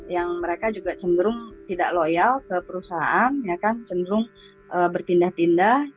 yang mereka juga cenderung tidak loyal ke perusahaan ya kan cenderung berpindah pindah